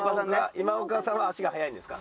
今岡さんは足が速いんですか？